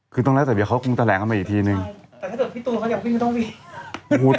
คือต้องแล้วแต่เบี๊ยเขากุ้งตะแหลงกันไปอีกทีนึงใช่แต่ถ้าเกิดพี่ตูนเขาอยากวิ่งก็ต้องวิ่ง